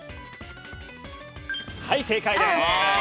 はい正解です。